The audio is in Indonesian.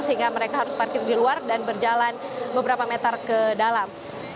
sehingga mereka harus parkir di luar dan berjalan beberapa meter ke dalam